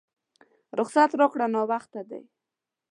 رخصت راکړه ناوخته دی!